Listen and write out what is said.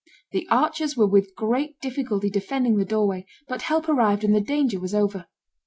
The archers were with great difficulty defending the doorway, but help arrived, and the danger was over.